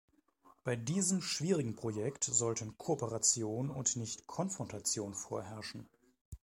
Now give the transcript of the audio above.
Bei diesem schwierigen Projekt sollte Kooperation und nicht Konfrontation vorherrschen.